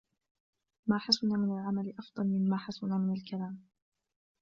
ما حسن من العمل أفضل من ما حسن من الكلام.